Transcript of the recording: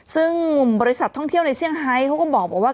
ซึ่งกลุ่มบริษัทท่องเที่ยวในเซี่ยงไฮเขาก็บอกว่า